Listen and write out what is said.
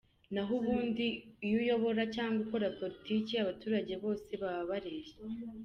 Naho ubundi iyo uyobora cyangwa ukora politiki abaturage bose baba bareshya.